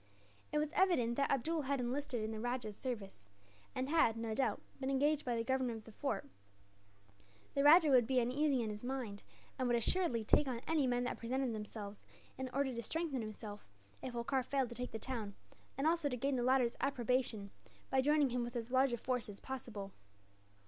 It was evident that Abdool had enlisted in the rajah's service; and had, no doubt, been engaged by the governor of the fort. The rajah would be uneasy in his mind, and would assuredly take on any men that presented themselves; in order to strengthen himself, if Holkar failed to take the town; and also to gain the latter's approbation, by joining him with as large a force as possible.